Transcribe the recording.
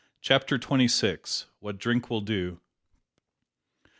CHAPTER TWENTY SIX. WHAT DRINK WILL DO.